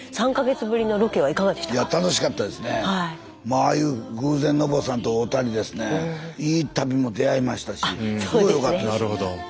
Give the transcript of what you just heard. ああいう偶然のぼうさんと会うたりですねいい足袋も出会いましたしすごいよかったです。